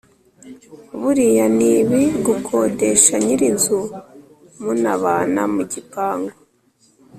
Buriya nibi gukodesha nyirinzu munabana mugipangu